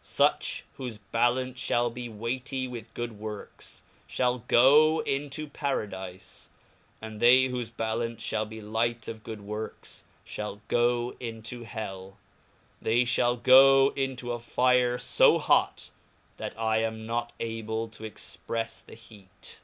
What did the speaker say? Such wliofe ballance (hall be weightie with good works, (hall goe into Paradife ; and they whofe ballance (hall be light of fSod works, (hall goe into hell, they (hall goe into a fire fo hot, that I am not able to expreffe the heat.